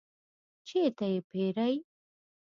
چیرته یی پیرئ؟